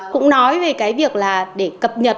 cũng nói về cái việc là để cập nhật